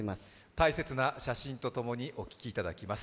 大切な写真とともにお聴きいただきます。